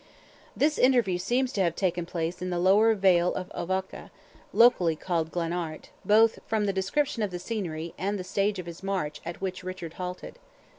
This interview seems to have taken place in the lower vale of Ovoca, locally called Glen Art, both from the description of the scenery, and the stage of his march at which Richard halted.